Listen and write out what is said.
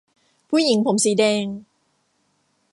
ผู้หญิงผมสีแดง !